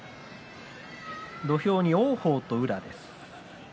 土俵に王鵬と宇良です。